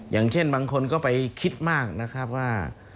อย่างเช่นบางคนก็ไปคิดมากนะครับว่า